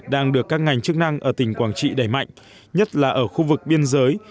đang được các ngành chức năng ở tỉnh quảng trị đẩy mạnh nhất là ở khu vực biên giới